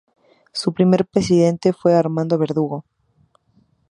Su primer presidente fue Armando Verdugo.